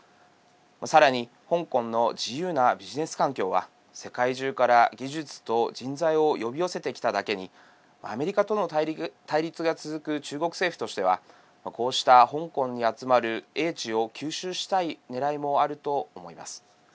さらに香港の自由なビジネス環境は世界中から、技術と人材を呼び寄せてきただけにアメリカとの対立が続く中国政府としてはこうした香港に集まる英知を吸収したいねらいもあると思います。